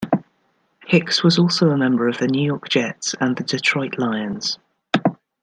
Hicks was also a member of the New York Jets and the Detroit Lions.